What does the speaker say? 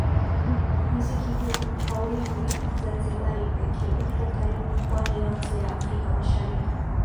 Mziki huu hauimbwi zanzibari pekee upo karibu pwani yote ya afrika mashariki